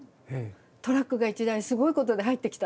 トラックが１台すごいことで入ってきた！」。